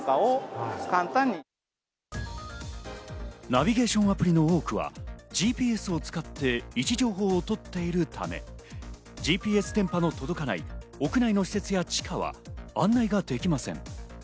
ナビゲーションアプリの多くはＧＰＳを使って位置情報を取っているため、ＧＰＳ電波の届かない屋内の施設や地下は案内ができません。